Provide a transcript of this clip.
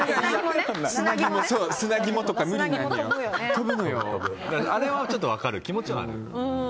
砂肝とかあれはちょっと分かる気持ちはある。